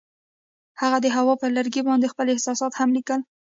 هغوی د هوا پر لرګي باندې خپل احساسات هم لیکل.